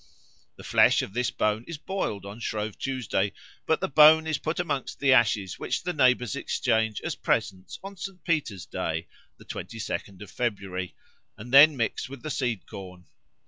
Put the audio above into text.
The flesh of this bone is boiled on Shrove Tuesday, but the bone is put amongst the ashes which the neighbours exchange as presents on St. Peter's Day (the twenty second of February), and then mix with the seedcorn.